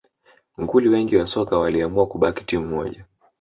Nguli wengi wa soka waliamua kubaki timu moja